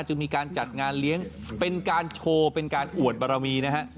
จึงมีการจัดงานเลี้ยงเป็นการโชว์เป็นการอวดบารมีนะฮะ